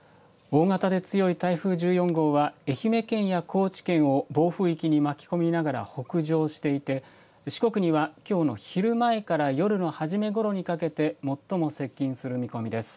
大型で強い台風１４号は愛媛県や高知県を暴風域に巻き込みながら北上していて四国にはきょうの昼前から夜の初めごろにかけて最も接近する見込みです。